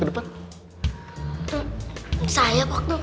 kenapa selalu ampe pelajaran pasang obrik